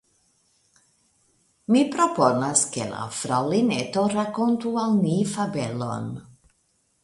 Mi proponas ke la Fraŭlineto rakontu al ni fabelon?